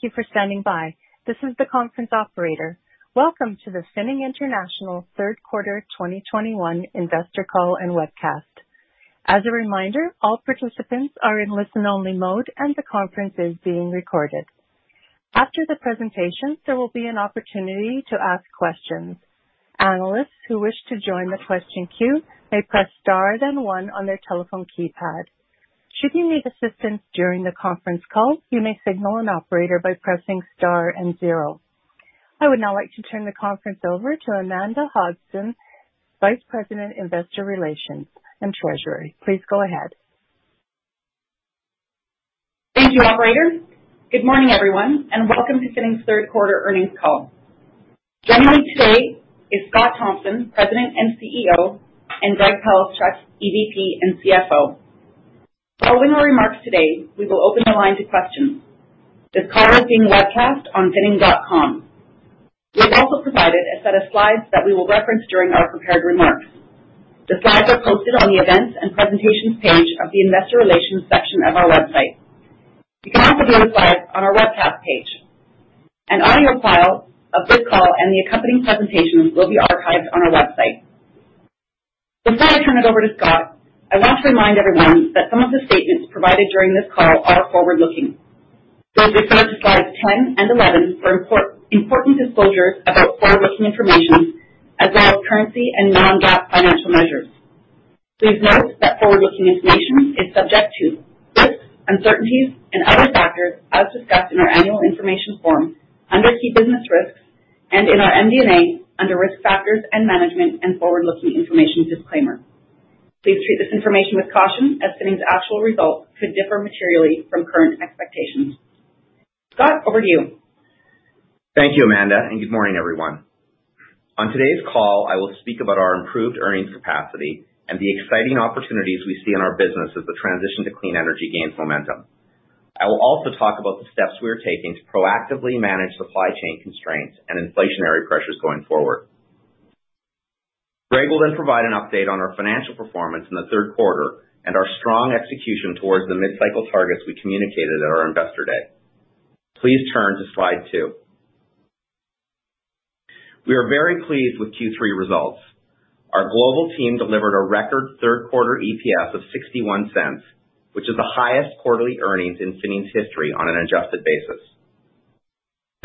Thank you for standing by. This is the conference operator. Welcome to the Finning International Q3 2021 investor call and webcast. As a reminder, all participants are in listen-only mode and the conference is being recorded. After the presentation, there will be an opportunity to ask questions. Analysts who wish to join the question queue may press star then one on their telephone keypad. Should you need assistance during the conference call, you may signal an operator by pressing star and zero. I would now like to turn the conference over to Amanda Hobson, Vice President, Investor Relations and Treasury. Please go ahead. Thank you, operator. Good morning, everyone, and welcome to Finning's Q3 earnings call. Joining me today is Scott Thomson, President and CEO, and Greg Palaschuk, EVP and CFO. Following our remarks today, we will open the line to questions. This call is being webcast on finning.com. We have also provided a set of slides that we will reference during our prepared remarks. The slides are posted on the Events and Presentations page of the Investor Relations section of our website. You can also view the slides on our Webcast page. An audio file of this call and the accompanying presentations will be archived on our website. Before I turn it over to Scott, I want to remind everyone that some of the statements provided during this call are forward-looking. Please refer to slides 10 and 11 for important disclosures about forward-looking information as well as currency and non-GAAP financial measures. Please note that forward-looking information is subject to risks, uncertainties and other factors as discussed in our annual information form under Key Business Risks and in our MD&A under Risk Factors and Management and forward-looking information disclaimer. Please treat this information with caution as Finning's actual results could differ materially from current expectations. Scott, over to you. Thank you, Amanda, and good morning, everyone. On today's call, I will speak about our improved earnings capacity and the exciting opportunities we see in our business as the transition to clean energy gains momentum. I will also talk about the steps we are taking to proactively manage supply chain constraints and inflationary pressures going forward. Greg will then provide an update on our financial performance in the Q3 and our strong execution towards the mid-cycle targets we communicated at our Investor Day. Please turn to slide 2. We are very pleased with Q3 results. Our global team delivered a record Q3 EPS of 0.61, which is the highest quarterly earnings in Finning's history on an adjusted basis.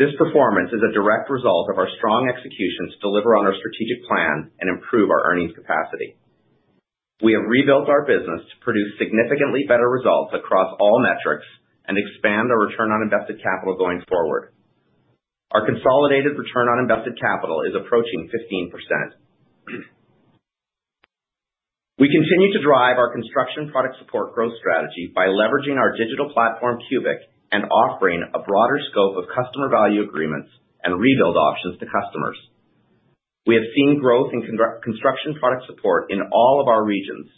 This performance is a direct result of our strong execution to deliver on our strategic plan and improve our earnings capacity. We have rebuilt our business to produce significantly better results across all metrics and expand our return on invested capital going forward. Our consolidated return on invested capital is approaching 15%. We continue to drive our construction product support growth strategy by leveraging our digital platform, CUBIQ, and offering a broader scope of customer value agreements and rebuild options to customers. We have seen growth in construction product support in all of our regions.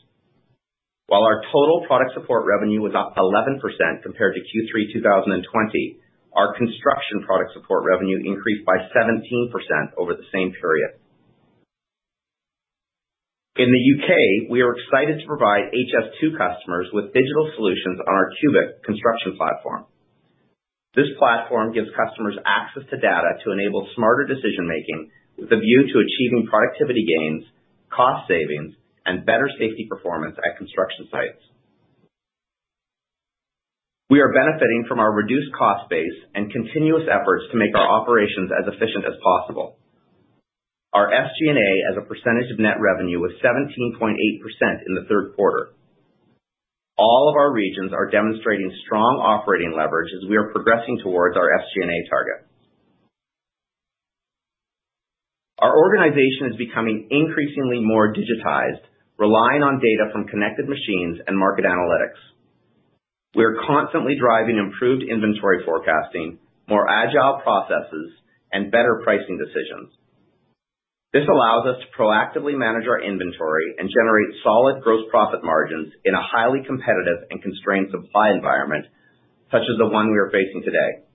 While our total product support revenue was up 11% compared to Q3 2020, our construction product support revenue increased by 17% over the same period. In the U.K., we are excited to provide HS2 customers with digital solutions on our CUBIQ construction platform. This platform gives customers access to data to enable smarter decision-making with a view to achieving productivity gains, cost savings, and better safety performance at construction sites. We are benefiting from our reduced cost base and continuous efforts to make our operations as efficient as possible. Our SG&A as a percentage of net revenue was 17.8% in the Q3. All of our regions are demonstrating strong operating leverage as we are progressing towards our SG&A target. Our organization is becoming increasingly more digitized, relying on data from connected machines and market analytics. We are constantly driving improved inventory forecasting, more agile processes, and better pricing decisions. This allows us to proactively manage our inventory and generate solid gross profit margins in a highly competitive and constrained supply environment, such as the one we are facing today.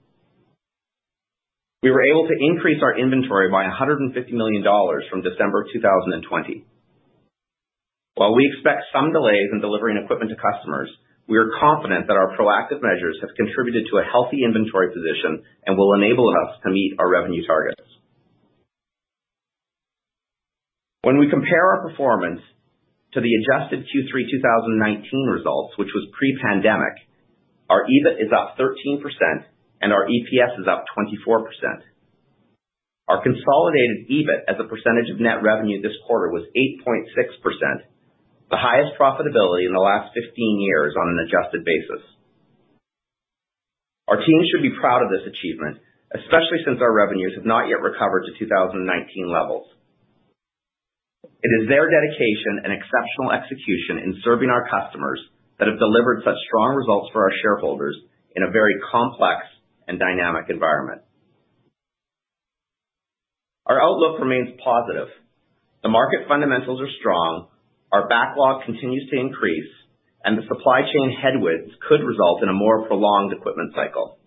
We were able to increase our inventory by 150 million dollars from December 2020. While we expect some delays in delivering equipment to customers, we are confident that our proactive measures have contributed to a healthy inventory position and will enable us to meet our revenue targets. When we compare our performance to the adjusted Q3 2019 results, which was pre-pandemic, our EBIT is up 13% and our EPS is up 24%. Our consolidated EBIT as a percentage of net revenue this quarter was 8.6%, the highest profitability in the last 15 years on an adjusted basis. Our team should be proud of this achievement, especially since our revenues have not yet recovered to 2019 levels. It is their dedication and exceptional execution in serving our customers that have delivered such strong results for our shareholders in a very complex and dynamic environment. Our outlook remains positive. The market fundamentals are strong. Our backlog continues to increase, and the supply chain headwinds could result in a more prolonged equipment cycle.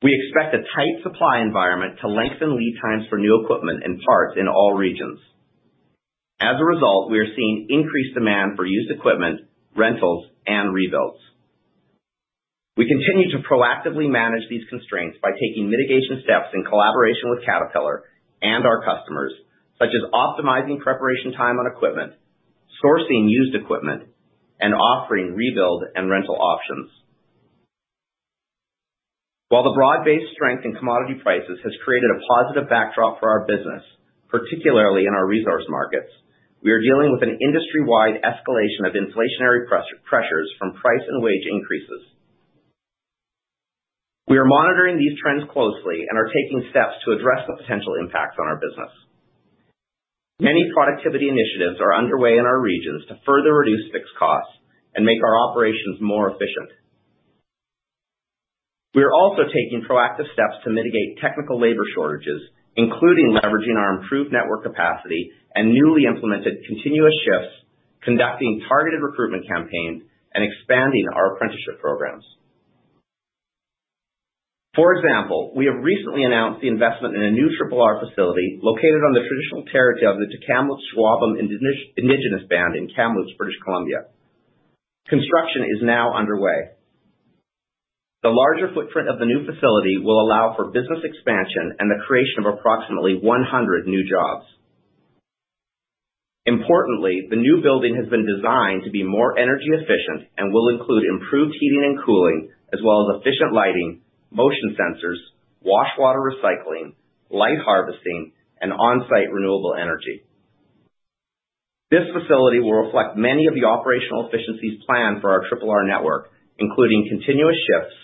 We expect a tight supply environment to lengthen lead times for new equipment and parts in all regions. As a result, we are seeing increased demand for used equipment, rentals, and rebuilds. We continue to proactively manage these constraints by taking mitigation steps in collaboration with Caterpillar and our customers, such as optimizing preparation time on equipment, sourcing used equipment, and offering rebuild and rental options. While the broad-based strength in commodity prices has created a positive backdrop for our business, particularly in our resource markets, we are dealing with an industry-wide escalation of inflationary pressures from price and wage increases. We are monitoring these trends closely and are taking steps to address the potential impacts on our business. Many productivity initiatives are underway in our regions to further reduce fixed costs and make our operations more efficient. We are also taking proactive steps to mitigate technical labor shortages, including leveraging our improved network capacity and newly implemented continuous shifts, conducting targeted recruitment campaigns, and expanding our apprenticeship programs. For example, we have recently announced the investment in a new 3R facility located on the traditional territory of the Tk'emlúps te Secwépemc Indigenous Band in Kamloops, British Columbia. Construction is now underway. The larger footprint of the new facility will allow for business expansion and the creation of approximately 100 new jobs. Importantly, the new building has been designed to be more energy efficient and will include improved heating and cooling, as well as efficient lighting, motion sensors, wash water recycling, light harvesting, and on-site renewable energy. This facility will reflect many of the operational efficiencies planned for our 3R network, including continuous shifts,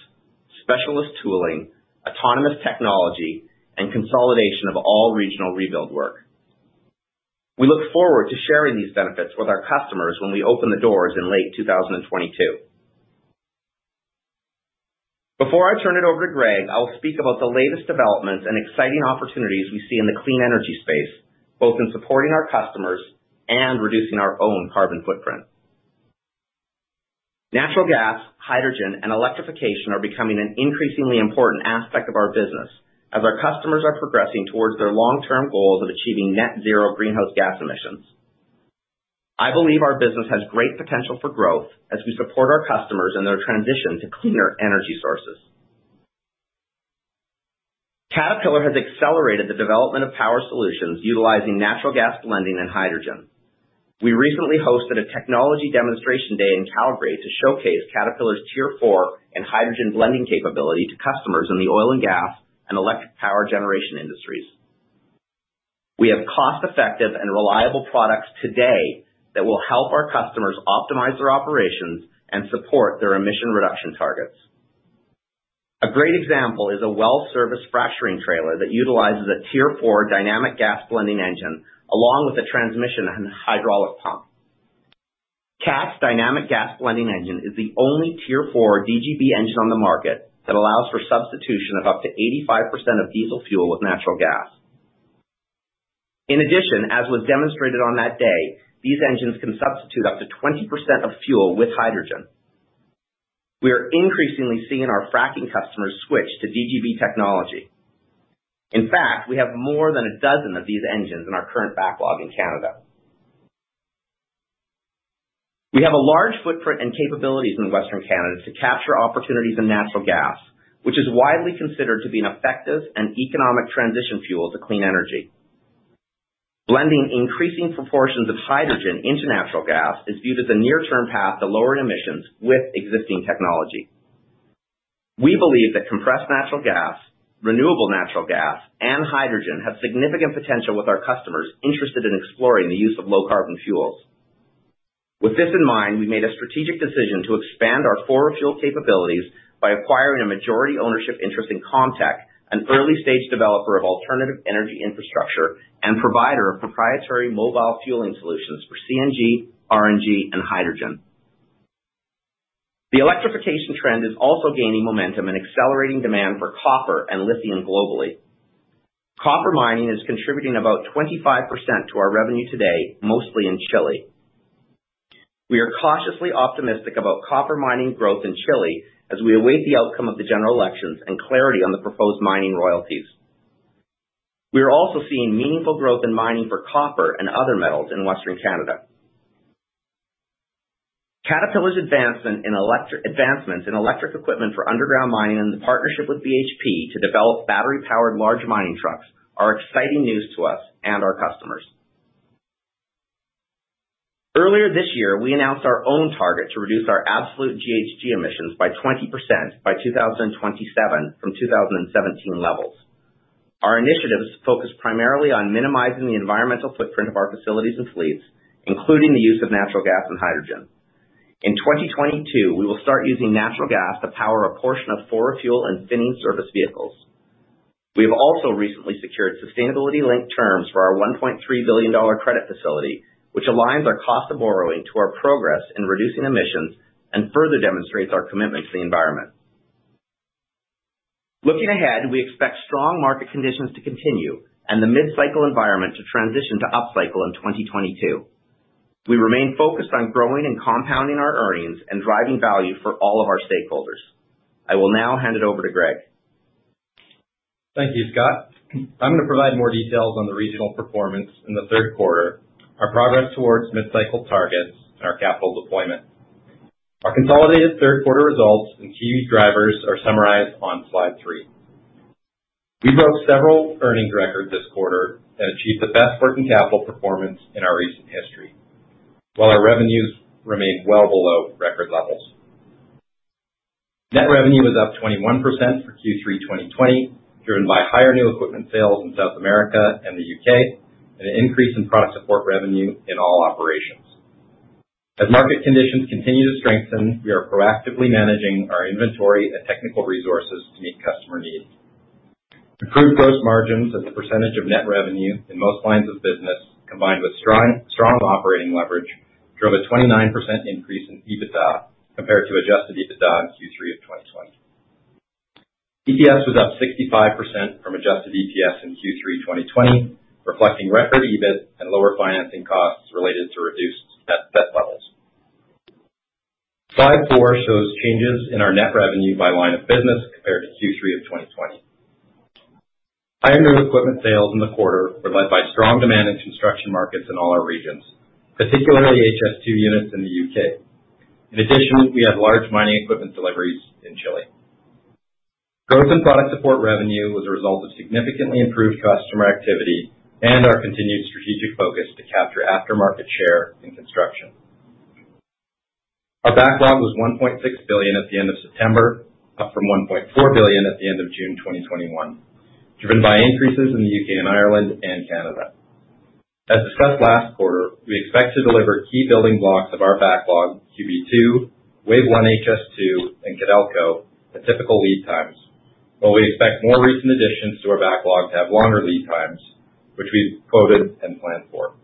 specialist tooling, autonomous technology, and consolidation of all regional rebuild work. We look forward to sharing these benefits with our customers when we open the doors in late 2022. Before I turn it over to Greg, I will speak about the latest developments and exciting opportunities we see in the clean energy space, both in supporting our customers and reducing our own carbon footprint. Natural gas, hydrogen, and electrification are becoming an increasingly important aspect of our business as our customers are progressing towards their long-term goals of achieving net zero greenhouse gas emissions. I believe our business has great potential for growth as we support our customers in their transition to cleaner energy sources. Caterpillar has accelerated the development of power solutions utilizing natural gas blending and hydrogen. We recently hosted a technology demonstration day in Calgary to showcase Caterpillar's Tier 4 and hydrogen blending capability to customers in the oil and gas and electric power generation industries. We have cost-effective and reliable products today that will help our customers optimize their operations and support their emission reduction targets. A great example is a well service fracturing trailer that utilizes a Tier 4 Dynamic Gas Blending engine, along with a transmission and hydraulic pump. Cat's Dynamic Gas Blending engine is the only Tier 4 DGB engine on the market that allows for substitution of up to 85% of diesel fuel with natural gas. In addition, as was demonstrated on that day, these engines can substitute up to 20% of fuel with hydrogen. We are increasingly seeing our fracking customers switch to DGB technology. In fact, we have more than a dozen of these engines in our current backlog in Canada. We have a large footprint and capabilities in Western Canada to capture opportunities in natural gas, which is widely considered to be an effective and economic transition fuel to clean energy. Blending increasing proportions of hydrogen into natural gas is viewed as a near-term path to lowering emissions with existing technology. We believe that compressed natural gas, renewable natural gas, and hydrogen have significant potential with our customers interested in exploring the use of low carbon fuels. With this in mind, we made a strategic decision to expand our 4Refuel capabilities by acquiring a majority ownership interest in ComTech, an early-stage developer of alternative energy infrastructure and provider of proprietary mobile fueling solutions for CNG, RNG, and hydrogen. The electrification trend is also gaining momentum and accelerating demand for copper and lithium globally. Copper mining is contributing about 25% to our revenue today, mostly in Chile. We are cautiously optimistic about copper mining growth in Chile as we await the outcome of the general elections and clarity on the proposed mining royalties. We are also seeing meaningful growth in mining for copper and other metals in Western Canada. Caterpillar's advancements in electric equipment for underground mining and the partnership with BHP to develop battery-powered large mining trucks are exciting news to us and our customers. Earlier this year, we announced our own target to reduce our absolute GHG emissions by 20% by 2027 from 2017 levels. Our initiatives focus primarily on minimizing the environmental footprint of our facilities and fleets, including the use of natural gas and hydrogen. In 2022, we will start using natural gas to power a portion of 4Refuel and Finning service vehicles. We have also recently secured sustainability-linked terms for our 1.3 billion dollar credit facility, which aligns our cost of borrowing to our progress in reducing emissions and further demonstrates our commitment to the environment. Looking ahead, we expect strong market conditions to continue and the mid-cycle environment to transition to upcycle in 2022. We remain focused on growing and compounding our earnings and driving value for all of our stakeholders. I will now hand it over to Greg. Thank you, Scott. I'm gonna provide more details on the regional performance in the Q3, our progress towards mid-cycle targets, and our capital deployment. Our consolidated Q3 results and key drivers are summarized on slide 3. We broke several earnings records this quarter and achieved the best working capital performance in our recent history, while our revenues remain well below record levels. Net revenue was up 21% for Q3 2020, driven by higher new equipment sales in South America and the U.K., and an increase in product support revenue in all operations. As market conditions continue to strengthen, we are proactively managing our inventory and technical resources to meet customer needs. Improved gross margins as a percentage of net revenue in most lines of business, combined with strong operating leverage, drove a 29% increase in EBITDA compared to adjusted EBITDA in Q3 2020. EPS was up 65% from adjusted EPS in Q3 2020, reflecting record EBIT and lower financing costs related to reduced debt levels. Slide 4 shows changes in our net revenue by line of business compared to Q3 of 2020. Higher new equipment sales in the quarter were led by strong demand in construction markets in all our regions, particularly HS2 units in the U.K. In addition, we had large mining equipment deliveries in Chile. Growth in product support revenue was a result of significantly improved customer activity and our continued strategic focus to capture aftermarket share in construction. Our backlog was 1.6 billion at the end of September, up from 1.4 billion at the end of June 2021, driven by increases in the U.K. and Ireland and Canada. As discussed last quarter, we expect to deliver key building blocks of our backlog, QB2, Wave One HS2, and Codelco, at typical lead times, while we expect more recent additions to our backlog to have longer lead times, which we've quoted and planned for.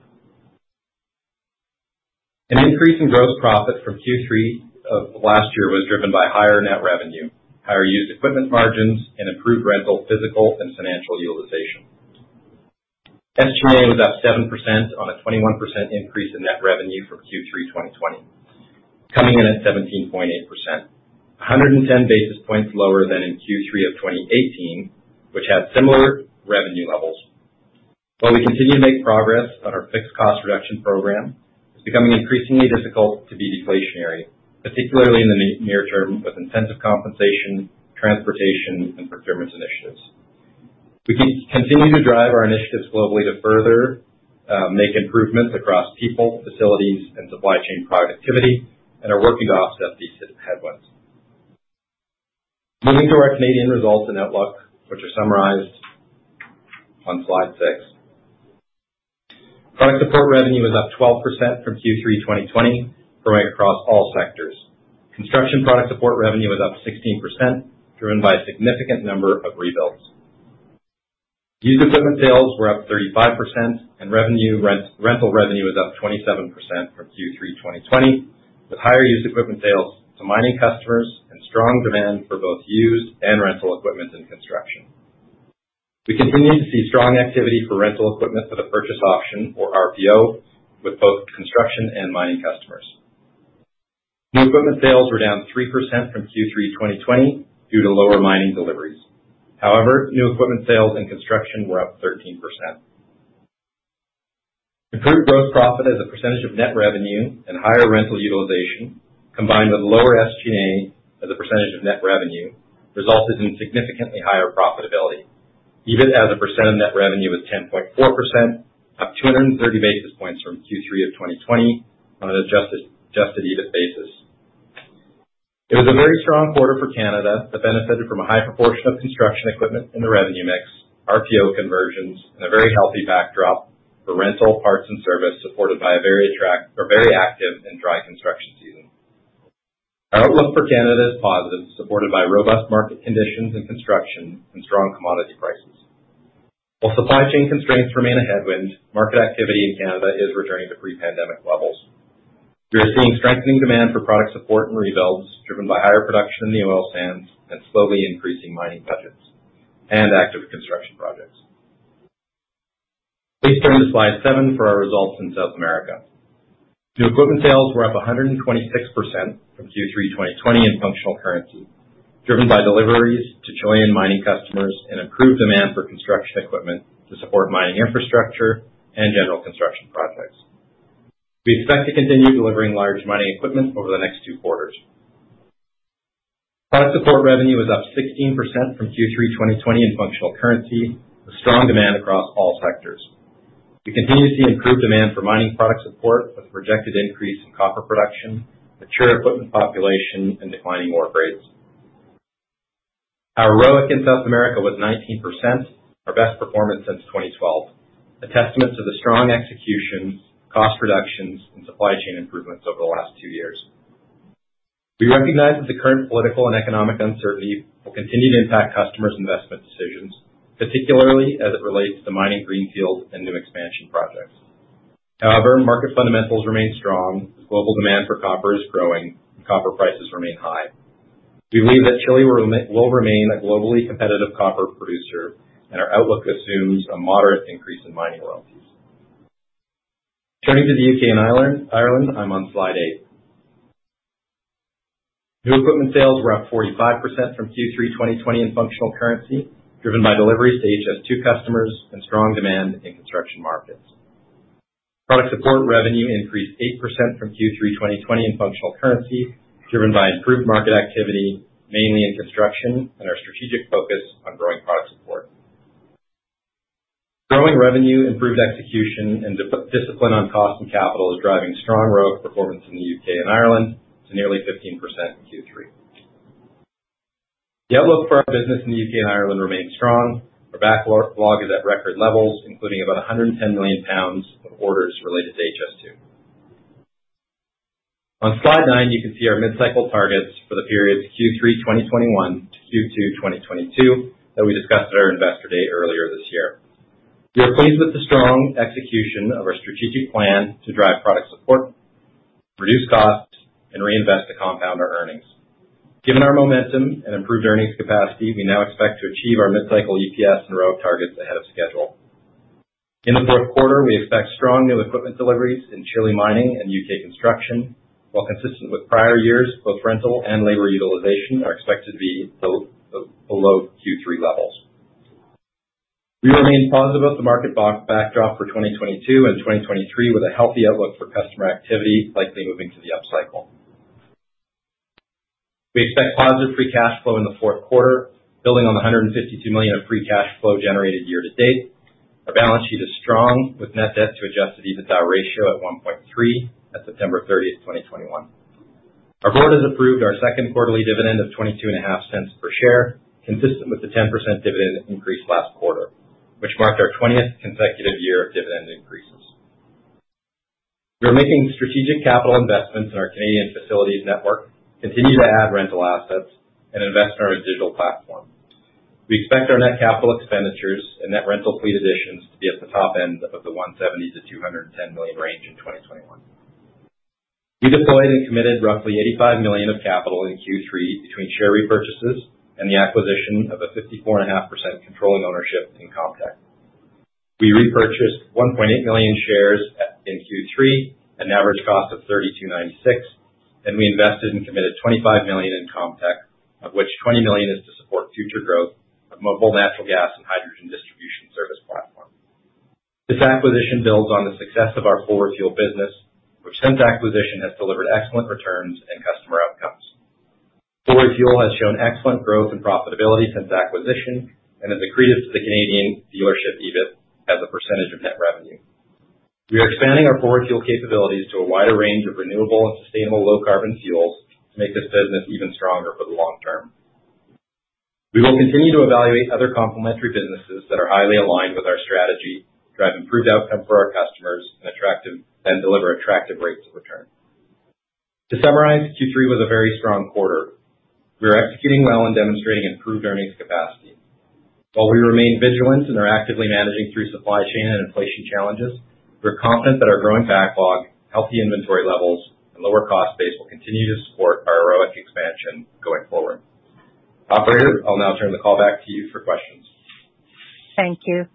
An increase in gross profit from Q3 of last year was driven by higher net revenue, higher used equipment margins, and improved rental physical and financial utilization. SG&A was up 7% on a 21% increase in net revenue from Q3 2020, coming in at 17.8%, 110 basis points lower than in Q3 2018, which had similar revenue levels. While we continue to make progress on our fixed cost reduction program, it's becoming increasingly difficult to be deflationary, particularly in the near term with incentive compensation, transportation, and procurement initiatives. We continue to drive our initiatives globally to further make improvements across people, facilities, and supply chain productivity and are working to offset these headwinds. Moving to our Canadian results and outlook, which are summarized on slide 6. Product support revenue was up 12% from Q3 2020, growing across all sectors. Construction product support revenue was up 16%, driven by a significant number of rebuilds. Used equipment sales were up 35%, and rental revenue was up 27% from Q3 2020, with higher used equipment sales to mining customers and strong demand for both used and rental equipment in construction. We continue to see strong activity for rental equipment with a purchase option, or RPO, with both construction and mining customers. New equipment sales were down 3% from Q3 2020 due to lower mining deliveries. However, new equipment sales and construction were up 13%. Improved gross profit as a percentage of net revenue and higher rental utilization, combined with lower SG&A as a percentage of net revenue, resulted in significantly higher profitability. EBIT as a percent of net revenue was 10.4%, up 230 basis points from Q3 of 2020 on an adjusted EBITDA basis. It was a very strong quarter for Canada that benefited from a high proportion of construction equipment in the revenue mix, RPO conversions, and a very healthy backdrop for rental parts and service supported by a very active and dry construction season. Our outlook for Canada is positive, supported by robust market conditions in construction and strong commodity prices. While supply chain constraints remain a headwind, market activity in Canada is returning to pre-pandemic levels. We are seeing strengthening demand for product support and rebuilds driven by higher production in the oil sands and slowly increasing mining budgets and active construction projects. Please turn to slide 7 for our results in South America. New equipment sales were up 126% from Q3 2020 in functional currency, driven by deliveries to Chilean mining customers and improved demand for construction equipment to support mining infrastructure and general construction projects. We expect to continue delivering large mining equipment over the next 2 quarters. Product support revenue was up 16% from Q3 2020 in functional currency, with strong demand across all sectors. We continue to see improved demand for mining product support with projected increase in copper production, mature equipment population, and declining ore grades. Our ROIC in South America was 19%, our best performance since 2012, a testament to the strong execution, cost reductions, and supply chain improvements over the last 2 years. We recognize that the current political and economic uncertainty will continue to impact customers' investment decisions, particularly as it relates to mining greenfield and new expansion projects. However, market fundamentals remain strong as global demand for copper is growing and copper prices remain high. We believe that Chile will remain a globally competitive copper producer, and our outlook assumes a moderate increase in mining royalties. Turning to the U.K. and Ireland, I'm on slide 8. New equipment sales were up 45% from Q3 2020 in functional currency, driven by deliveries to HS2 customers and strong demand in construction markets. Product support revenue increased 8% from Q3 2020 in functional currency, driven by improved market activity, mainly in construction and our strategic focus on growing product support. Growing revenue, improved execution, and discipline on cost and capital is driving strong ROIC performance in the U.K. and Ireland to nearly 15% in Q3. The outlook for our business in the U.K. and Ireland remains strong. Our backlog is at record levels, including about 110 million pounds of orders related to HS2. On slide 9, you can see our mid-cycle targets for the periods Q3 2021 to Q2 2022 that we discussed at our Investor Day earlier this year. We are pleased with the strong execution of our strategic plan to drive product support, reduce costs, and reinvest to compound our earnings. Given our momentum and improved earnings capacity, we now expect to achieve our mid-cycle EPS and ROIC targets ahead of schedule. In the Q4, we expect strong new equipment deliveries in Chile mining and U.K. construction. While consistent with prior years, both rental and labor utilization are expected to be below Q3 levels. We remain positive about the market backdrop for 2022 and 2023, with a healthy outlook for customer activity likely moving to the upcycle. We expect positive free cash flow in the Q4, building on 152 million of free cash flow generated year to date. Our balance sheet is strong, with net debt to adjusted EBITDA ratio at 1.3 at September 30th, 2021. Our board has approved our Q2 dividend of 0.225 per share, consistent with the 10% dividend increase last quarter, which marked our 20th consecutive year of dividend increases. We are making strategic capital investments in our Canadian facilities network, continue to add rental assets, and invest in our digital platform. We expect our net capital expenditures and net rental fleet additions to be at the top end of the 170 million to 210 million range in 2021. We deployed and committed roughly 85 million of capital in Q3 between share repurchases and the acquisition of a 54.5% controlling ownership in ComTech. We repurchased 1.8 million shares in Q3 at an average cost of 32.96, and we invested and committed 25 million in ComTech, of which 20 million is to support future growth of mobile natural gas and hydrogen distribution service platform. This acquisition builds on the success of our 4Refuel business, which since acquisition has delivered excellent returns and customer outcomes. 4Refuel has shown excellent growth and profitability since acquisition and has accreted to the Canadian dealership EBIT as a percentage of net revenue. We are expanding our 4Refuel capabilities to a wider range of renewable and sustainable low carbon fuels to make this business even stronger for the long term. We will continue to evaluate other complementary businesses that are highly aligned with our strategy to drive improved outcomes for our customers and attractive rates of return. To summarize, Q3 was a very strong quarter. We are executing well and demonstrating improved earnings capacity. While we remain vigilant and are actively managing through supply chain and inflation challenges, we're confident that our growing backlog, healthy inventory levels, and lower cost base will continue to support our ROIC expansion going forward. Operator, I'll now turn the call back to you for questions. Thank you.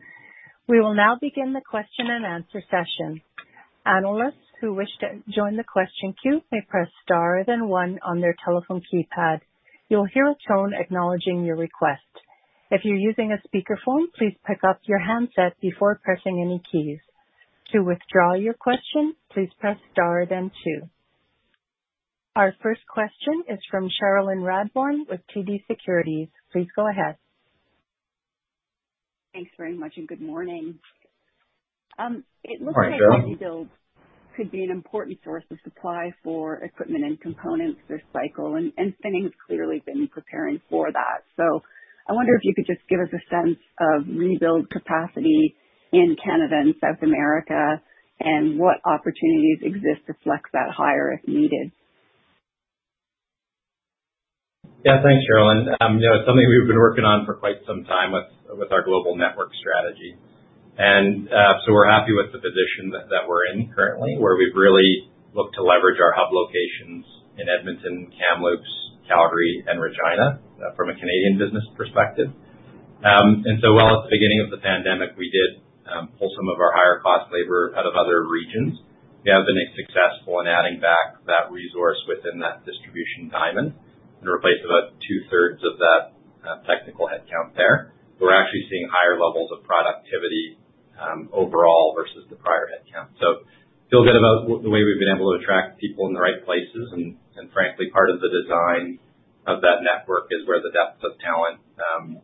We will now begin the question-and-answer session. Analysts who wish to join the question queue may press star then one on their telephone keypad. You'll hear a tone acknowledging your request. If you're using a speakerphone, please pick up your handset before pressing any keys. To withdraw your question, please press star then two. Our first question is from Cherilyn Radbourne with TD Securities. Please go ahead. Thanks very much, and good morning. Morning, Cherilyn. It looks like rebuild could be an important source of supply for equipment and components this cycle, and Finning has clearly been preparing for that. I wonder if you could just give us a sense of rebuild capacity in Canada and South America and what opportunities exist to flex that higher as needed. Yeah. Thanks, Cherilyn. You know, it's something we've been working on for quite some time with our global network strategy. We're happy with the position that we're in currently, where we've really looked to leverage our hub locations in Edmonton, Kamloops, Calgary and Regina from a Canadian business perspective. While at the beginning of the pandemic, we did pull some of our higher cost labor out of other regions, we have been successful in adding back that resource within that distribution diamond to replace about 2/3 of that technical headcount there. We're actually seeing higher levels of productivity overall versus the prior headcount. Feel good about the way we've been able to attract people in the right places. Frankly, part of the design of that network is where the depths of talent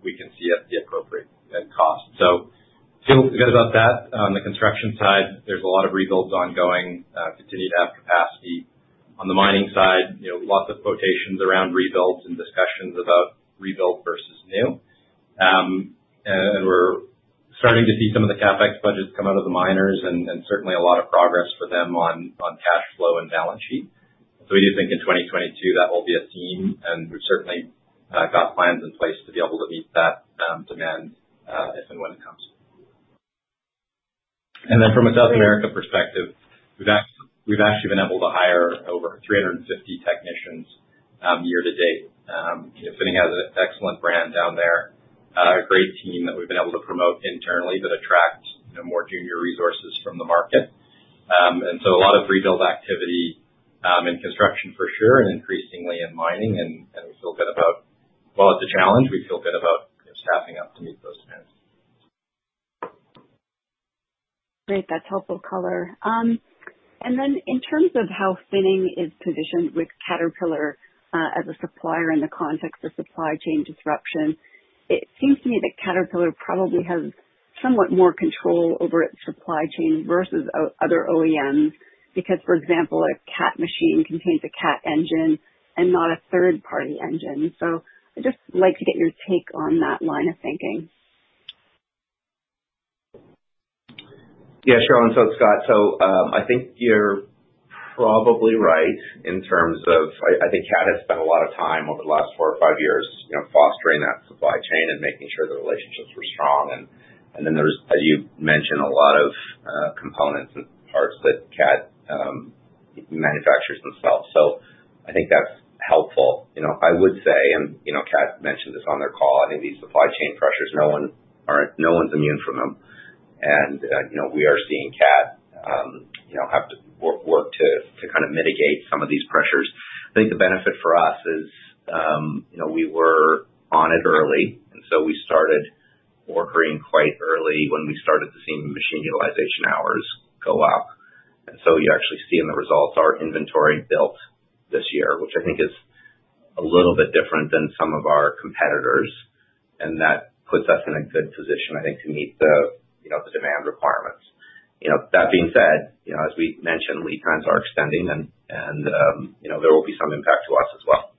we can see at the appropriate cost. Feel good about that. On the construction side, there's a lot of rebuilds ongoing, continue to have capacity. On the mining side, you know, lots of quotations around rebuilds and discussions about rebuild versus new. We're starting to see some of the CapEx budgets come out of the miners and certainly a lot of progress for them on cash flow and balance sheet. We do think in 2022 that will be a theme. We've certainly got plans in place to be able to meet that demand, as and when it comes. Then from a South America perspective, we've actually been able to hire over 350 technicians, year-to-date. You know, Finning has an excellent brand down there, a great team that we've been able to promote internally that attracts, you know, more junior resources from the market. A lot of rebuild activity in construction for sure, and increasingly in mining, and we feel good about it. While it's a challenge, we feel good about staffing up to meet those demands. Great. That's helpful color. In terms of how Finning is positioned with Caterpillar, as a supplier in the context of supply chain disruption, it seems to me that Caterpillar probably has somewhat more control over its supply chain versus other OEMs, because for example, a Cat machine contains a Cat engine and not a third-party engine. I'd just like to get your take on that line of thinking. Yeah, sure. It's Scott. I think you're probably right in terms of I think Cat has spent a lot of time over the last 4 or 5 years, you know, fostering that supply chain and making sure the relationships were strong. Then there's, as you mentioned, a lot of components and parts that Cat manufactures themselves. I think that's helpful. You know, I would say, you know, Cat mentioned this on their call, I think these supply chain pressures, no one's immune from them. You know, we are seeing Cat, you know, have to work to kind of mitigate some of these pressures. I think the benefit for us is, you know, we were on it early, and so we started ordering quite early when we started to see machine utilization hours go up. You actually see in the results our inventory built this year, which I think is a little bit different than some of our competitors. That puts us in a good position, I think, to meet the, you know, the demand requirements. You know, that being said, you know, as we mentioned, lead times are extending and you know, there will be some impact to us as well.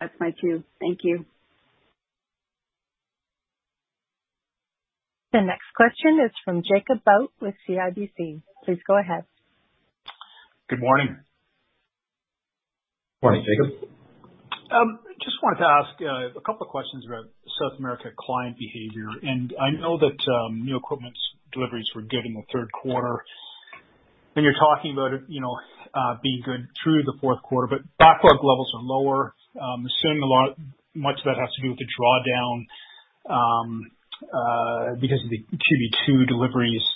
That's my cue. Thank you. The next question is from Jacob Bout with CIBC. Please go ahead. Good morning. Morning, Jacob. Just wanted to ask a couple of questions about South America client behavior. I know that new equipment deliveries were good in the Q3. You're talking about, you know, being good through the Q4, but backlog levels are lower. Assuming much of that has to do with the drawdown because of the QB2 deliveries.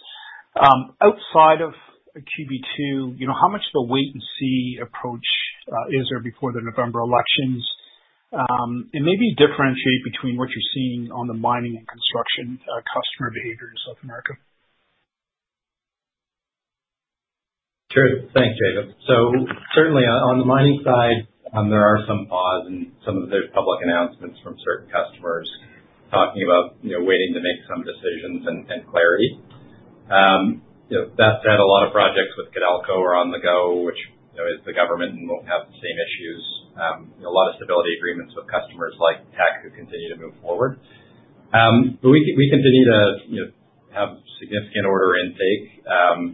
Outside of QB2, you know, how much of the wait and see approach is there before the November elections? Maybe differentiate between what you're seeing on the mining and construction customer behavior in South America. Sure. Thanks, Jacob. Certainly on the mining side, there are some pauses and some of those public announcements from certain customers talking about, you know, waiting to make some decisions and clarity. You know, that said, a lot of projects with Codelco are on the go, which, you know, is the government and won't have the same issues. A lot of stability agreements with customers like Teck, who continue to move forward. But we continue to, you know, have significant order intake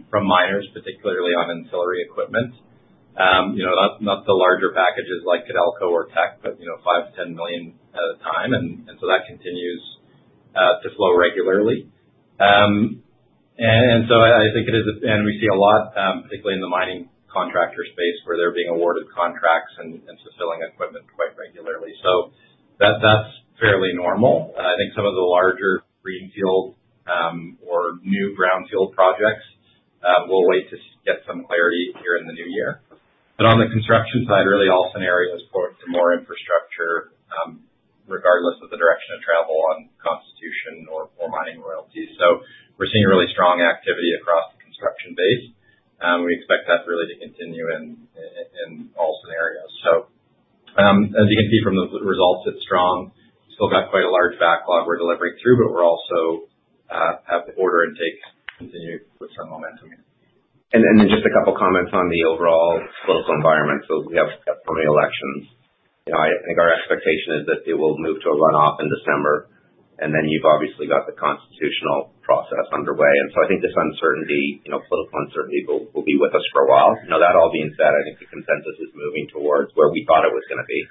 from miners, particularly on ancillary equipment. You know, that's not the larger packages like Codelco or Teck, but, you know, 5 million to 10 million at a time. That continues to flow regularly. I think it is and we see a lot, particularly in the mining contractor space where they're being awarded contracts and fulfilling equipment quite regularly. That's fairly normal. I think some of the larger greenfield or new brownfield projects will wait to get some clarity here in the new year. On the construction side, really all scenarios point to more infrastructure, regardless of the direction of travel on constitution or mining royalties. We're seeing really strong activity across the construction base. We expect that really to continue in all scenarios. As you can see from the results, it's strong. Still got quite a large backlog we're delivering through, but we also have the order intake continue with some momentum. Then just a couple comments on the overall political environment. We have coming elections. You know, I think our expectation is that it will move to a runoff in December. You've obviously got the constitutional process underway. I think this uncertainty, you know, political uncertainty will be with us for a while. Now, that all being said, I think the consensus is moving towards where we thought it was gonna be,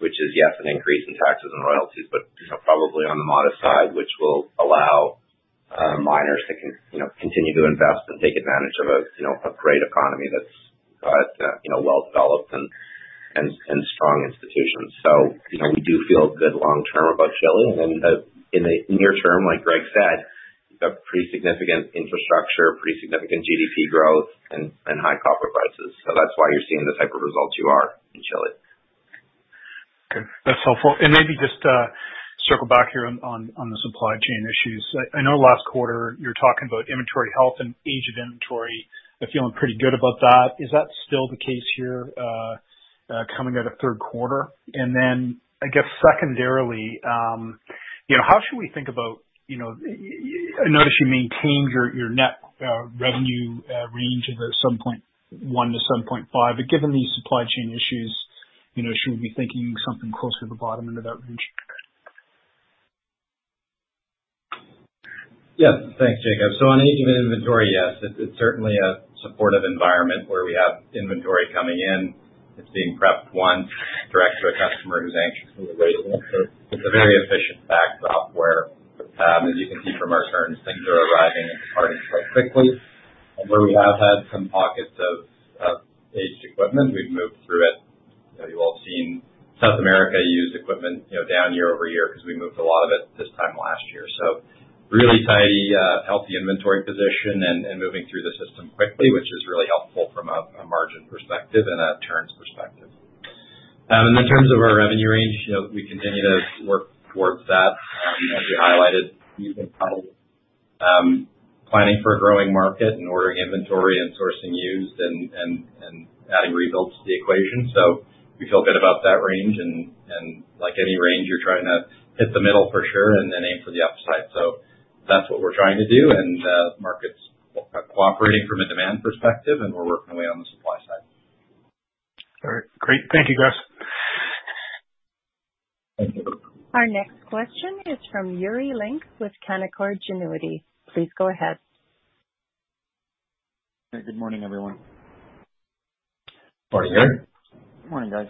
which is, yes, an increase in taxes and royalties, but, you know, probably on the modest side, which will allow miners to continue to invest and take advantage of a, you know, a great economy that's, you know, well developed and strong institutions. You know, we do feel good long term about Chile. In the near term, like Greg said, a pretty significant infrastructure, pretty significant GDP growth and high copper prices. That's why you're seeing the type of results you are in Chile. Okay. That's helpful. Maybe just circle back here on the supply chain issues. I know last quarter you were talking about inventory health and age of inventory, but feeling pretty good about that. Is that still the case here coming out of Q3? Then I guess secondarily you know how should we think about you know I notice you maintained your net revenue range of 7.1 to 7.5. But given these supply chain issues you know should we be thinking something closer to the bottom end of that range? Yes. Thanks, Jacob. On age of inventory, yes. It's certainly a supportive environment where we have inventory coming in. It's being prepped direct to a customer who's anxious and waiting. It's a very efficient backstop where, as you can see from our turns, things are arriving and departing quite quickly. Where we have had some pockets of aged equipment, we've moved through it. You know, you've all seen South America used equipment, you know, down year-over-year because we moved a lot of it this time last year. Really tidy healthy inventory position and moving through the system quickly, which is really helpful from a margin perspective and a turns perspective. In terms of our revenue range, you know, we continue to work towards that. As we highlighted, you can probably planning for a growing market and ordering inventory and sourcing used and adding rebuilds to the equation. We feel good about that range, and like any range, you're trying to hit the middle for sure and then aim for the upside. That's what we're trying to do, and markets are cooperating from a demand perspective, and we're working away on the supply side. All right. Great. Thank you, guys. Thank you. Our next question is from Yuri Lynk with Canaccord Genuity. Please go ahead. Hey, good morning, everyone. Morning, Yuri. Morning, guys.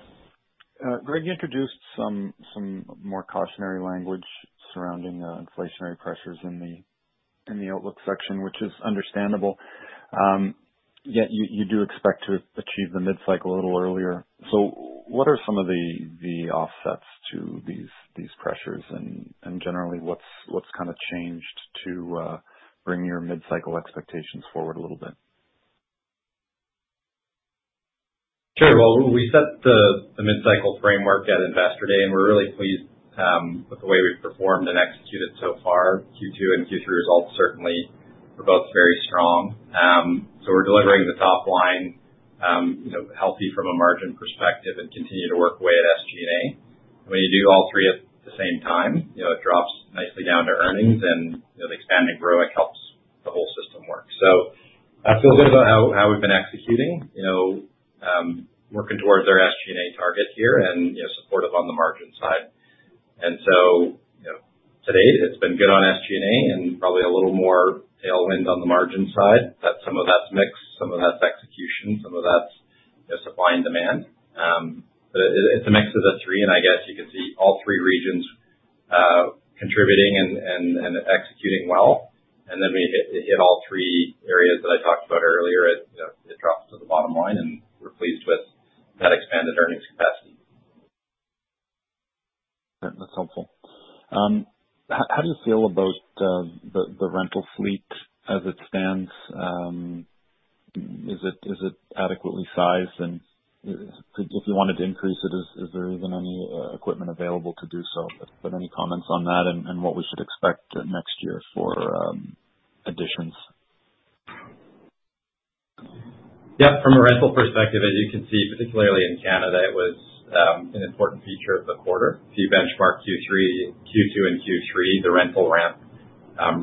Greg, you introduced some more cautionary language surrounding the inflationary pressures in the outlook section, which is understandable. Yet you do expect to achieve the mid-cycle a little earlier. What are some of the offsets to these pressures? Generally, what's kind of changed to bring your mid-cycle expectations forward a little bit? Sure. Well, we set the mid-cycle framework at Investor Day, and we're really pleased with the way we've performed and executed so far. Q2 and Q3 results certainly were both very strong. We're delivering the top line, you know, healthy from a margin perspective and continue to work away at SG&A. When you do all 3 at the same time, you know, it drops nicely down to earnings and, you know, the expanding growing helps the whole system work. I feel good about how we've been executing, you know, working towards our SG&A target here and, you know, supportive on the margin side. Today it's been good on SG&A and probably a little more tailwind on the margin side. That's some of that's mix, some of that's execution, some of that's, you know, supply and demand. It's a mix of the 3, and I guess you can see all 3 regions contributing and executing well. We hit all 3 areas that I talked about earlier. You know, it drops to the bottom line, and we're pleased with that expanded earnings capacity. Yeah, that's helpful. How do you feel about the rental fleet as it stands? Is it adequately sized? If you wanted to increase it, is there even any equipment available to do so? Any comments on that and what we should expect next year for additions? Yeah. From a rental perspective, as you can see, particularly in Canada, it was an important feature of the quarter. If you benchmark Q2 and Q3, the rental ramp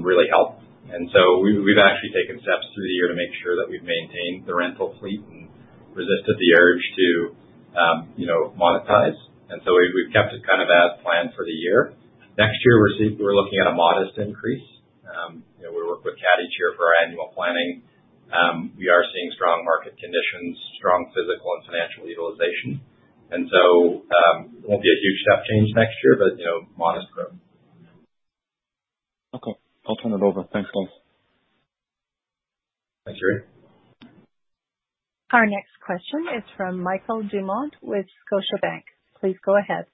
really helped. We've actually taken steps through the year to make sure that we've maintained the rental fleet and resisted the urge to, you know, monetize. We've kept it kind of as planned for the year. Next year, we're looking at a modest increase. You know, we work with CAT each year for our annual planning. We are seeing strong market conditions, strong physical and financial utilization. It won't be a huge step change next year, but, you know, modest growth. Okay. I'll turn it over. Thanks, guys. Thanks, Yuri. Our next question is from Michael Doumet with Scotiabank. Please go ahead.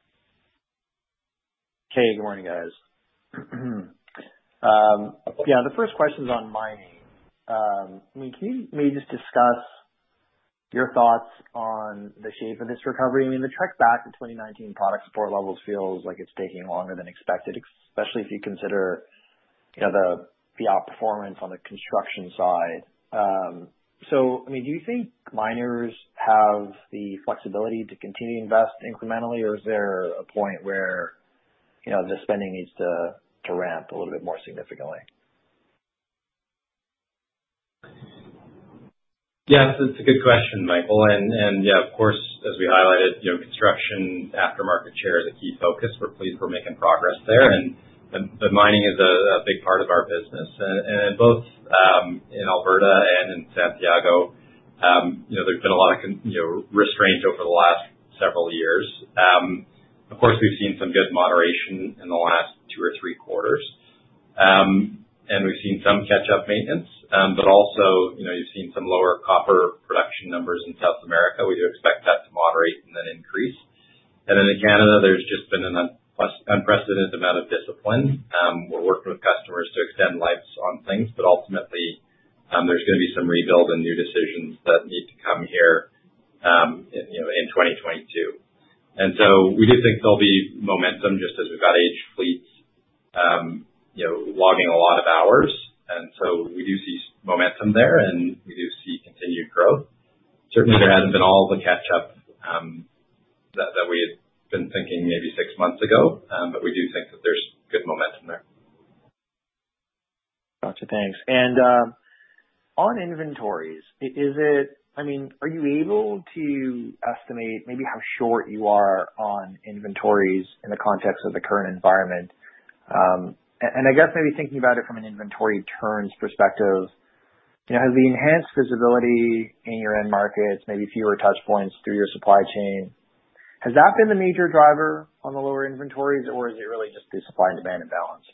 Hey, good morning, guys. Yeah, the first question's on mining. I mean, can you maybe just discuss your thoughts on the shape of this recovery? I mean, the trek back to 2019 product support levels feels like it's taking longer than expected, especially if you consider, you know, the outperformance on the construction side. I mean, do you think miners have the flexibility to continue to invest incrementally, or is there a point where, you know, the spending needs to ramp a little bit more significantly? Yeah. It's a good question, Michael. Yeah, of course, as we highlighted, you know, construction aftermarket share is a key focus. We're pleased we're making progress there. Mining is a big part of our business. In both Alberta and in Santiago, you know, there's been a lot of restraint over the last several years. Of course, we've seen some good moderation in the last 2 or 3 quarters. We've seen some catch-up maintenance, but also, you know, you've seen some lower copper production numbers in South America. We do expect that to moderate and then increase. In Canada, there's just been an unprecedented amount of discipline. We're working with customers to extend lives on things, but ultimately, there's gonna be some rebuild and new decisions that need to come here, in, you know, in 2022. We do think there'll be momentum, just as we've got age fleets, you know, logging a lot of hours. We do see momentum there, and we do see continued growth. Certainly, there hasn't been all the catch-up, that we had been thinking maybe 6 months ago, but we do think that there's good momentum there. Got you. Thanks. On inventories, I mean, are you able to estimate maybe how short you are on inventories in the context of the current environment? I guess maybe thinking about it from an inventory turns perspective. You know, has the enhanced visibility in your end markets, maybe fewer touchpoints through your supply chain, has that been the major driver on the lower inventories, or is it really just the supply and demand imbalance?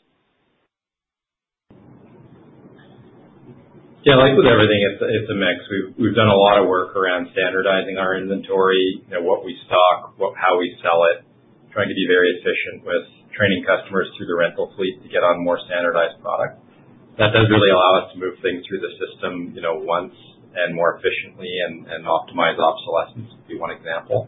Yeah, like with everything, it's a mix. We've done a lot of work around standardizing our inventory, you know, what we stock, what, how we sell it, trying to be very efficient with training customers through the rental fleet to get on more standardized product. That does really allow us to move things through the system, you know, once and more efficiently and optimize obsolescence, to be 1 example.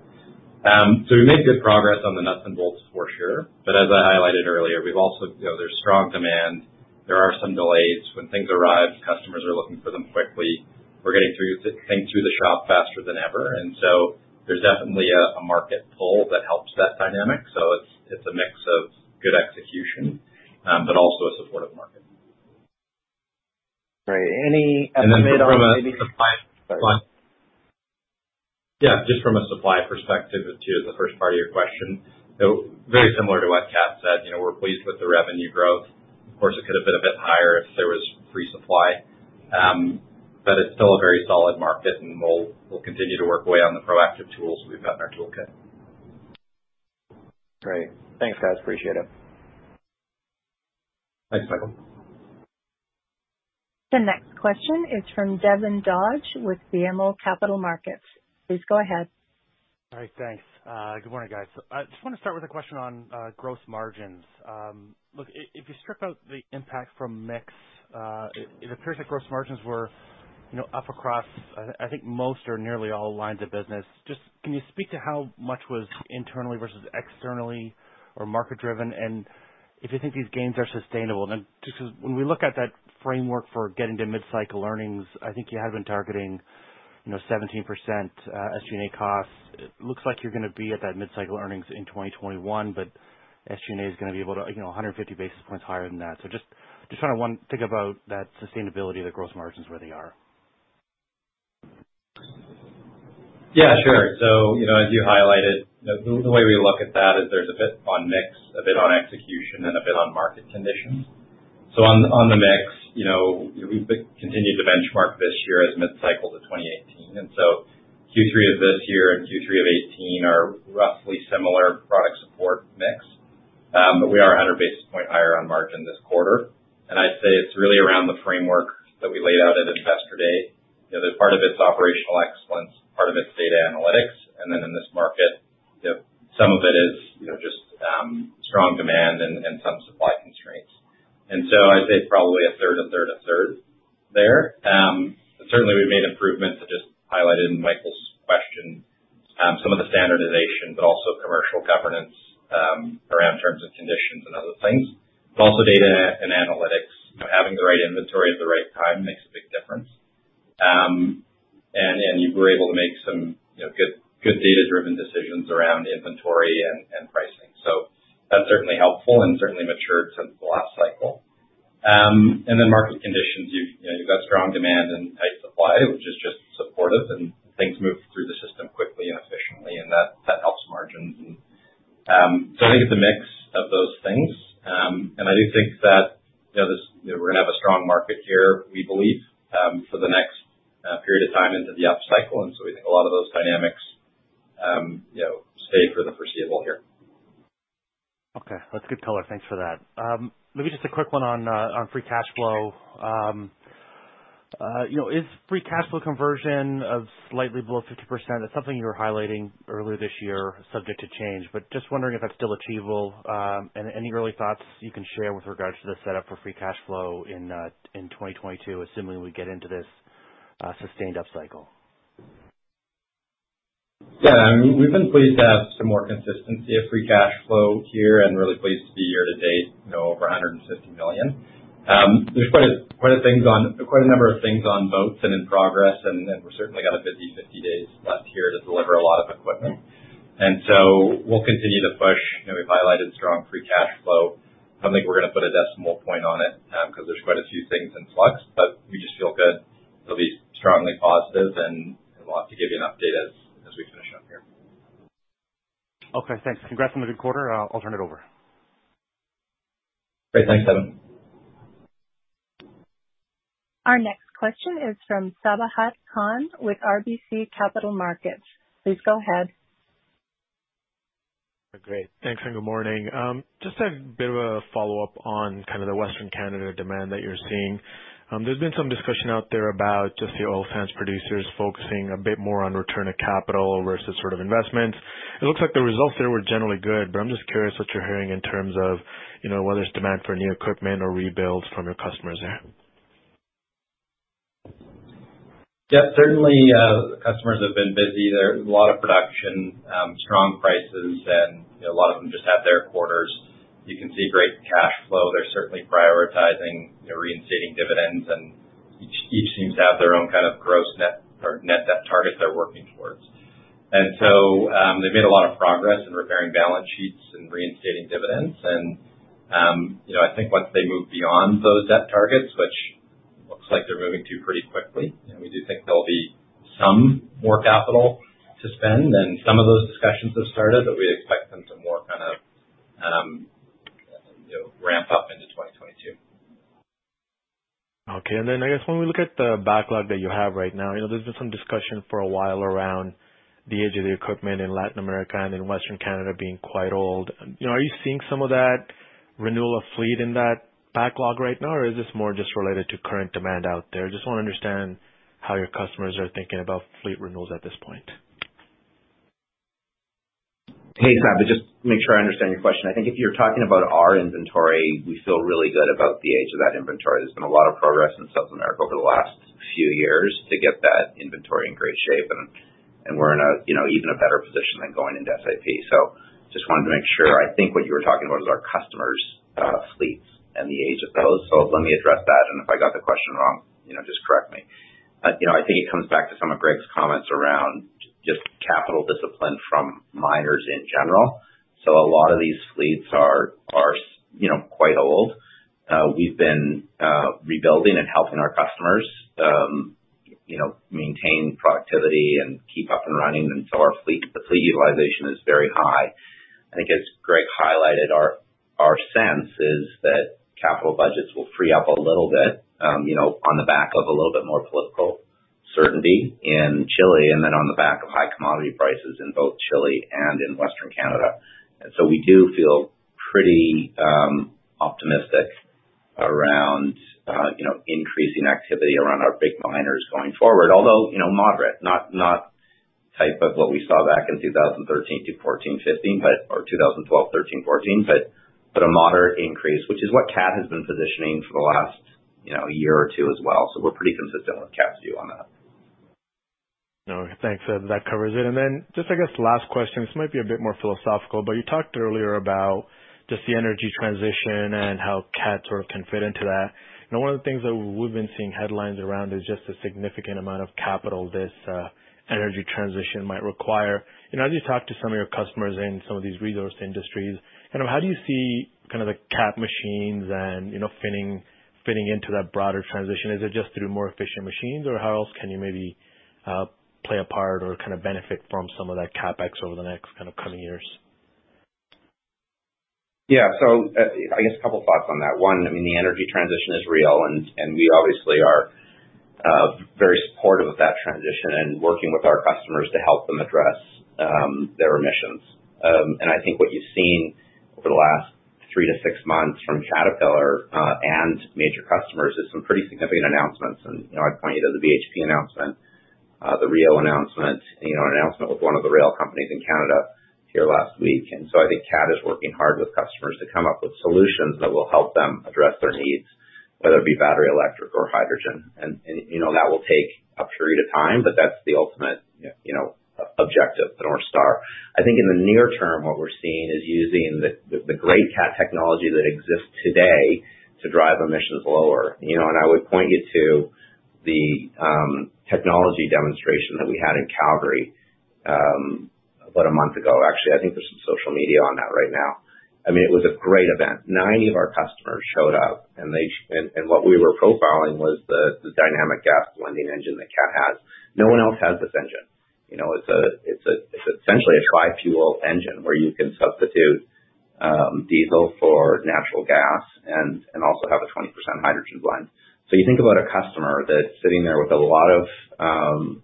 We made good progress on the nuts and bolts for sure. As I highlighted earlier, we've also you know, there's strong demand. There are some delays. When things arrive, customers are looking for them quickly. We're getting things through the shop faster than ever. There's definitely a market pull that helps that dynamic. It's a mix of good execution, but also a supportive market. All right. Any comment on any From a supply. Sorry. Yeah, just from a supply perspective too, the first part of your question, so very similar to what Kat said, you know, we're pleased with the revenue growth. Of course, it could have been a bit higher if there was free supply. But it's still a very solid market and we'll continue to work away on the proactive tools we've got in our toolkit. Great. Thanks, guys. Appreciate it. Thanks, Michael. The next question is from Devin Dodge with BMO Capital Markets. Please go ahead. All right. Thanks. Good morning, guys. I just wanna start with a question on gross margins. Look, if you strip out the impact from mix, it appears that gross margins were, you know, up across, I think most or nearly all lines of business. Can you speak to how much was internally versus externally or market driven? And if you think these gains are sustainable? Just 'cause when we look at that framework for getting to mid-cycle earnings, I think you had been targeting, you know, 17% SG&A costs. It looks like you're gonna be at that mid-cycle earnings in 2021, but SG&A is gonna be, you know, 150 basis points higher than that. So just trying to think about that sustainability of the gross margins where they are. Yeah, sure. You know, as you highlighted, the way we look at that is there's a bit on mix, a bit on execution, and a bit on market conditions. On the mix, you know, we've continued to benchmark this year as mid-cycle to 2018. Q3 of this year and Q3 of 2018 are roughly similar product support mix. But we are 100 basis points higher on margin this quarter. I'd say it's really around the framework that we laid out at Investor Day. You know, part of it's operational excellence, part of it's data analytics. In this market, you know, some of it is, you know, just strong demand and some supply constraints. I'd say probably a third there. Certainly we've made improvements. I just highlighted in Michael's question, some of the standardization, but also commercial governance, around terms and conditions and other things, also data and analytics. You know, having the right inventory at the right time makes a big difference. You were able to make some, you know, good data-driven decisions around inventory and pricing. That's certainly helpful and certainly matured since the last cycle. Market conditions, you know, you've got strong demand and tight supply, which is just supportive and things move through the system quickly and efficiently, and that helps margins. I think it's a mix of those things. I do think that, you know, this, you know, we're gonna have a strong market here, we believe, for the next period of time into the up cycle. We think a lot of those dynamics, you know, stay for the foreseeable here. Okay. That's good color. Thanks for that. Maybe just a quick one on free cash flow. You know, is free cash flow conversion of slightly below 50% is something you were highlighting earlier this year, subject to change, but just wondering if that's still achievable. And any early thoughts you can share with regards to the setup for free cash flow in 2022, assuming we get into this sustained up cycle. Yeah. I mean, we've been pleased to have some more consistency of free cash flow here and really pleased to be year-to-date, you know, over 150 million. There's quite a number of things on both hands in progress. We've certainly got a busy 50 days left here to deliver a lot of equipment. We'll continue to push. You know, we've highlighted strong free cash flow. I don't think we're gonna put a decimal point on it because there's quite a few things in flux, but we just feel good. It'll be strongly positive and we'll have to give you an update as we finish up here. Okay, thanks. Congrats on the good quarter. I'll turn it over. Great. Thanks, Devin. Our next question is from Sabahat Khan with RBC Capital Markets. Please go ahead. Great. Thanks, and good morning. Just a bit of a follow-up on kind of the Western Canada demand that you're seeing. There's been some discussion out there about just the oil sands producers focusing a bit more on return of capital versus sort of investment. It looks like the results there were generally good, but I'm just curious what you're hearing in terms of, you know, whether it's demand for new equipment or rebuilds from your customers there. Yeah, certainly, customers have been busy. There's a lot of production, strong prices, and a lot of them just had their quarters. You can see great cash flow. They're certainly prioritizing, you know, reinstating dividends, and each seems to have their own kind of gross net or net debt target they're working towards. They've made a lot of progress in repairing balance sheets and reinstating dividends. You know, I think once they move beyond those debt targets, which looks like they're moving to pretty quickly, you know, we do think there'll be some more capital to spend, and some of those discussions have started, but we expect them to more You know, ramp up into 2022. Okay. I guess when we look at the backlog that you have right now, you know, there's been some discussion for a while around the age of the equipment in Latin America and in Western Canada being quite old. You know, are you seeing some of that renewal of fleet in that backlog right now? Or is this more just related to current demand out there? Just wanna understand how your customers are thinking about fleet renewals at this point. Hey, Sabahat. Just make sure I understand your question. I think if you're talking about our inventory, we feel really good about the age of that inventory. There's been a lot of progress in South America over the last few years to get that inventory in great shape, and we're in you know, even a better position than going into the pandemic. Just wanted to make sure. I think what you were talking about is our customers' fleets and the age of those. Let me address that, and if I got the question wrong, you know, just correct me. You know, I think it comes back to some of Greg's comments around just capital discipline from miners in general. A lot of these fleets are you know, quite old. We've been rebuilding and helping our customers, you know, maintain productivity and keep up and running, and so our fleet, the fleet utilization is very high. I think as Greg highlighted, our sense is that capital budgets will free up a little bit, you know, on the back of a little bit more political certainty in Chile, and then on the back of high commodity prices in both Chile and in Western Canada. We do feel pretty optimistic around, you know, increasing activity around our big miners going forward. Although, you know, moderate. Not the type of what we saw back in 2013 to 2014, 2015, but or 2012 to 2013, 2014, but a moderate increase, which is what Cat has been positioning for the last, you know, year or 2 as well. We're pretty consistent with Cat's view on that. Okay. Thanks for that. That covers it. Just I guess last question, this might be a bit more philosophical, but you talked earlier about just the energy transition and how Cat sort of can fit into that. You know, one of the things that we've been seeing headlines around is just the significant amount of capital this energy transition might require. You know, as you talk to some of your customers in some of these resource industries, you know, how do you see kind of the Cat machines and, you know, fitting into that broader transition? Is it just through more efficient machines, or how else can you maybe play a part or kind of benefit from some of that CapEx over the next kind of coming years? Yeah. I guess a couple thoughts on that. 1, I mean, the energy transition is real and we obviously are very supportive of that transition and working with our customers to help them address their emissions. I think what you've seen over the last 3 to 6 months from Caterpillar and major customers is some pretty significant announcements. You know, I'd point you to the BHP announcement, the Rio Tinto announcement, you know, an announcement with one of the rail companies in Canada here last week. I think Cat is working hard with customers to come up with solutions that will help them address their needs, whether it be battery electric or hydrogen. You know, that will take a period of time, but that's the ultimate objective, the North Star. I think in the near term, what we're seeing is using the great Cat technology that exists today to drive emissions lower. You know, I would point you to the technology demonstration that we had in Calgary about a month ago. Actually, I think there's some social media on that right now. I mean, it was a great event. 90 of our customers showed up, and what we were profiling was the Dynamic Gas Blending engine that Cat has. No one else has this engine. You know, it's essentially a tri-fuel engine where you can substitute diesel for natural gas and also have a 20% hydrogen blend. You think about a customer that's sitting there with a lot of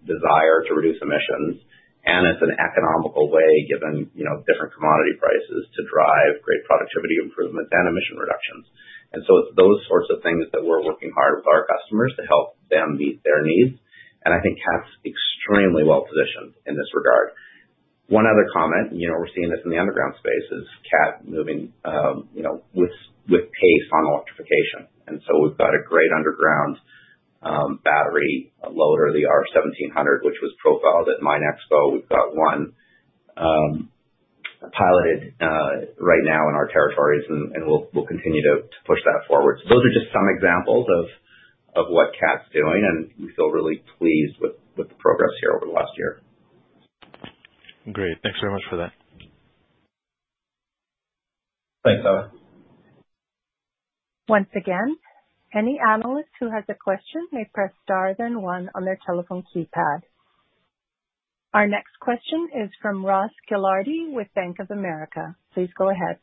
desire to reduce emissions, and it's an economical way, given, you know, different commodity prices, to drive great productivity improvements and emission reductions. It's those sorts of things that we're working hard with our customers to help them meet their needs, and I think Cat's extremely well-positioned in this regard. One other comment, you know, we're seeing this in the underground space, is Cat moving with pace on electrification. We've got a great underground battery loader, the R1700, which was profiled at MINExpo. We've got 1 piloted right now in our territories, and we'll continue to push that forward. Those are just some examples of what Cat's doing, and we feel really pleased with the progress here over the last year. Great. Thanks very much for that. Thanks, Sabahat. Once again, any analyst who has a question may press star then one on their telephone keypad. Our next question is from Ross Gilardi with Bank of America. Please go ahead.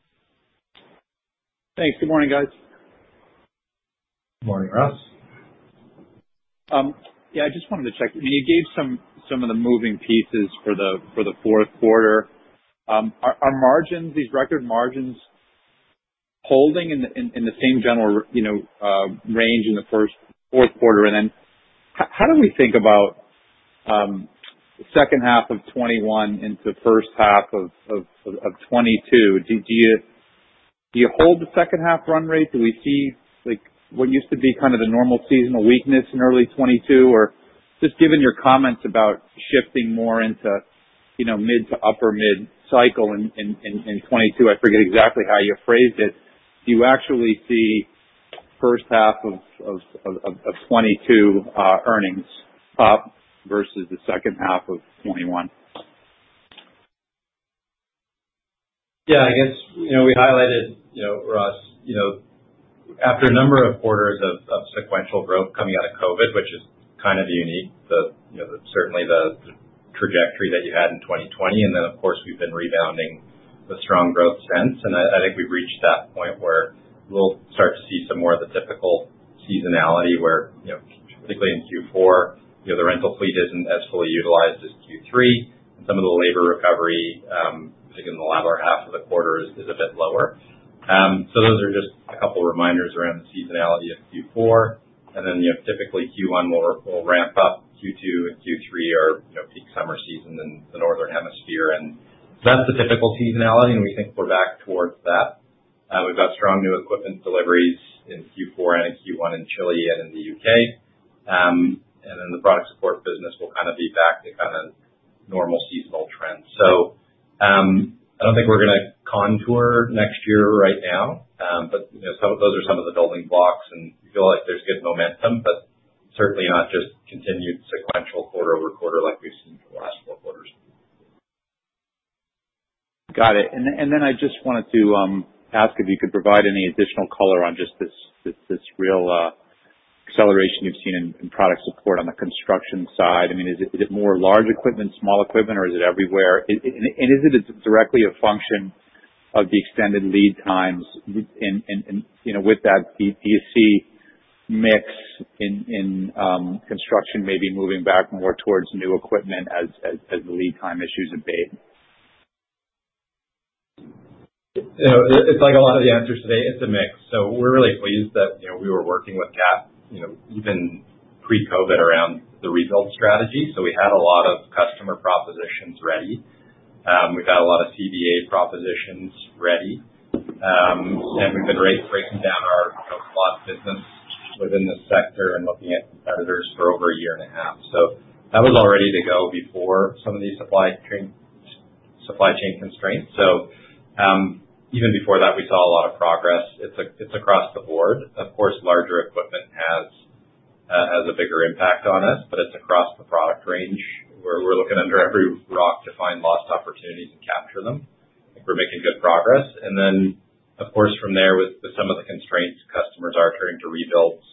Thanks. Good morning, guys. Morning, Ross. Yeah, I just wanted to check. I mean, you gave some of the moving pieces for the Q4. Are these record margins holding in the same general range, you know, for the Q4? How do we think about the H2 of 2021 into the H1 of 2022? Do you hold the H2 run rate? Do we see like what used to be kind of the normal seasonal weakness in early 2022? Just given your comments about shifting more into, you know, mid to upper mid-cycle in 2022, I forget exactly how you phrased it. Do you actually see H1 of 2022 earnings up versus the H2 of 2021? Yeah, I guess, you know, we highlighted, you know, Ross, you know. After a number of quarters of sequential growth coming out of COVID, which is kind of unique, you know, certainly the trajectory that you had in 2020 and then of course we've been rebounding with strong growth since. I think we've reached that point where we'll start to see some more of the typical seasonality where, you know, particularly in Q4, you know, the rental fleet isn't as fully utilized as Q3. Some of the labor recovery, particularly in the latter half of the quarter is a bit lower. So those are just a couple reminders around the seasonality of Q4. Then, you know, typically Q1 we'll ramp up. Q2 and Q3 are, you know, peak summer season in the Northern Hemisphere. That's the typical seasonality, and we think we're back towards that. We've got strong new equipment deliveries in Q4 and in Q1 in Chile and in the U.K. The product support business will kind of be back to kind of normal seasonal trends. I don't think we're gonna count on next year right now. You know, some of those are some of the building blocks, and we feel like there's good momentum, but certainly not just continued sequential quarter-over-quarter like we've seen for the last 4 quarters. Got it. I just wanted to ask if you could provide any additional color on just this real acceleration you've seen in product support on the construction side. I mean, is it more large equipment, small equipment, or is it everywhere? Is it directly a function of the extended lead times? You know, with that, do you see mix in construction maybe moving back more towards new equipment as the lead time issues abate? You know, it's like a lot of the answers today. It's a mix. We're really pleased that, you know, we were working with Cat, you know, even pre-COVID around the rebuild strategy. We had a lot of customer propositions ready. We've got a lot of CVA propositions ready. We've been re-breaking down our power business within the sector and looking at competitors for over a year and a half. That was all ready to go before some of these supply chain constraints. Even before that, we saw a lot of progress. It's across the board. Of course, larger equipment has a bigger impact on us, but it's across the product range, where we're looking under every rock to find lost opportunities and capture them. I think we're making good progress. Of course, from there, with some of the constraints, customers are turning to rebuilds,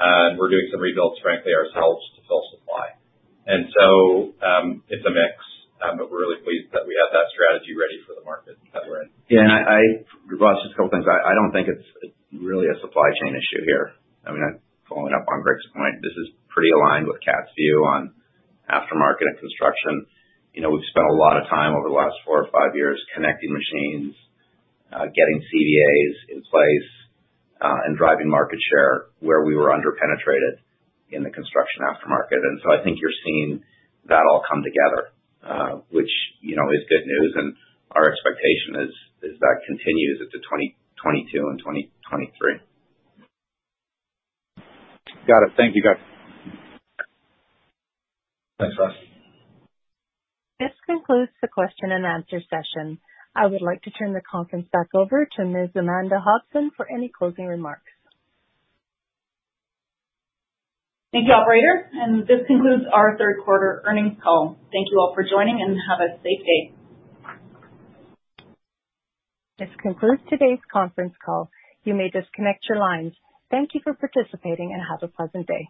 and we're doing some rebuilds frankly ourselves to fill supply. It's a mix. We're really pleased that we have that strategy ready for the market that we're in. Yeah. I, Ross, just a couple things. I don't think it's really a supply chain issue here. I mean, following up on Greg's point, this is pretty aligned with Cat's view on aftermarket and construction. You know, we've spent a lot of time over the last 4 or 5 years connecting machines, getting CVAs in place, and driving market share where we were under-penetrated in the construction aftermarket. I think you're seeing that all come together, which, you know, is good news. Our expectation is that continues into 2022 and 2023. Got it. Thank you, guys. Thanks, Ross. This concludes the question and answer session. I would like to turn the conference back over to Ms. Amanda Hobson for any closing remarks. Thank you, operator. This concludes our Q3 earnings call. Thank you all for joining, and have a safe day. This concludes today's conference call. You may disconnect your lines. Thank you for participating, and have a pleasant day.